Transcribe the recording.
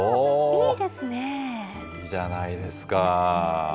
いいじゃないですか。